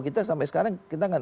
kita sampai sekarang